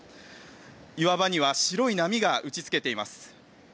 岩場には白い波が打ちつけています。